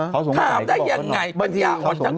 ถามได้ยังไงเป็นอย่างอ่อนทั้งคู่